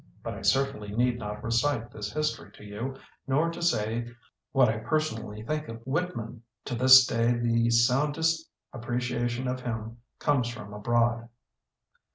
But I certainly need not recite this history to you, nor to say what I per sonally think of Whitman. To this day the soundest appreciation of him comes from abroad.